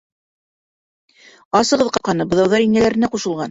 Асығыҙ ҡапҡаны, быҙауҙар инәләренә ҡушылған!